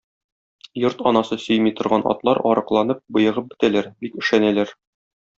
Йорт анасы сөйми торган атлар арыкланып, боегып бетәләр, бик өшәнәләр.